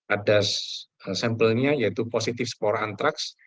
ada sampelnya yaitu positif spora antrax